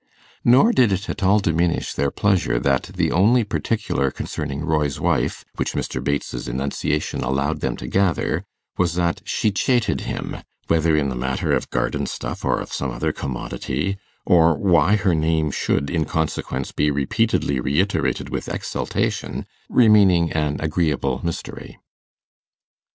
Nor did it at all diminish their pleasure that the only particular concerning 'Roy's Wife', which Mr. Bates's enunciation allowed them to gather, was that she 'chated' him, whether in the matter of garden stuff or of some other commodity, or why her name should, in consequence, be repeatedly reiterated with exultation, remaining an agreeable mystery.